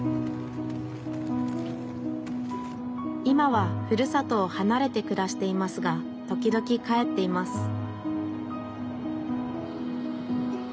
今はふるさとをはなれてくらしていますが時々帰っています